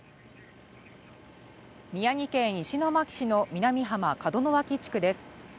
宮城県石巻市の南浜門脇地区です。